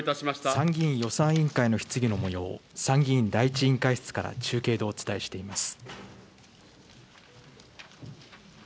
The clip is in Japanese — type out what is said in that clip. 参議院予算委員会の質疑のもようを参議院第１委員会室から中継でお伝えしています。